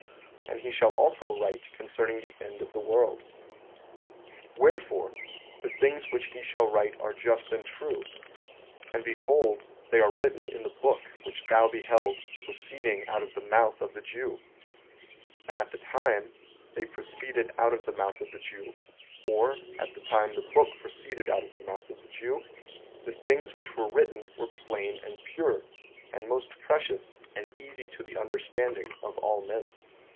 14:22 And he shall also write concerning the end of the world. 14:23 Wherefore, the things which he shall write are just and true; and behold they are written in the book which thou beheld proceeding out of the mouth of the Jew; and at the time they proceeded out of the mouth of the Jew, or, at the time the book proceeded out of the mouth of the Jew, the things which were written were plain and pure, and most precious and easy to the understanding of all men.